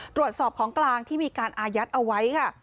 ตรวจสอบของกลางที่มีการอายัดเอาไว้ค่ะ